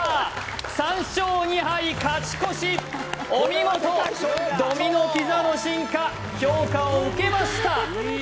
３勝２敗勝ち越しお見事ドミノ・ピザの進化評価を受けました